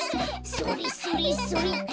それそれそれっと。